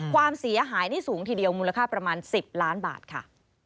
ความเสียหายนี่สูงทีเดียวมูลค่าประมาณ๑๐ล้านบาทค่ะ